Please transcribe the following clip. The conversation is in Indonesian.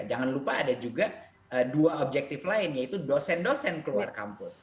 jangan lupa ada juga dua objektif lain yaitu dosen dosen keluar kampus